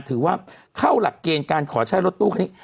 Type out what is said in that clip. ถือว่าเข้าหลักเกณฑ์การขอใช้รถตู้คันนี้